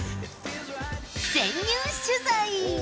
潜入取材。